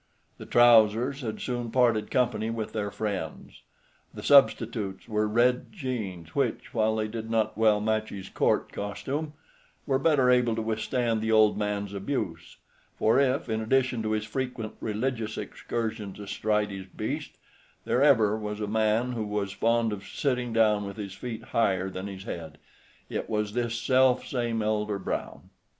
The trousers had soon parted company with their friends. The substitutes were red jeans, which, while they did not well match his court costume, were better able to withstand the old man's abuse, for if, in addition to his frequent religious excursions astride his beast, there ever was a man who was fond of sitting down with his feet higher than his head, it was this selfsame Elder Brown.